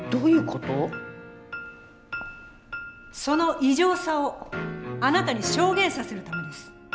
その異常さをあなたに証言させるためです。